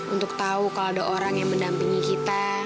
untuk tahu kalau ada orang yang mendampingi kita